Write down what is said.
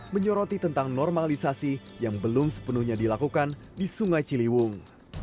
menyoroti tentang normalisasi yang belum sepenuhnya dilakukan di sungai ciliwung